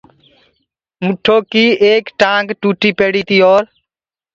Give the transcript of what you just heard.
اُنٚٺوڪي ايڪ ٽآنٚگ ٽوٽي پيڙيٚ تي اورَ